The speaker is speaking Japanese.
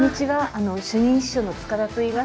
主任司書の柄田といいます。